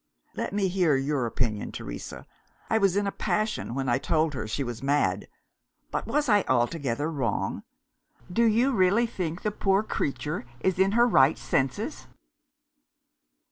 Let me hear your opinion, Teresa. I was in a passion when I told her she was mad; but was I altogether wrong? Do you really think the poor creature is in her right senses?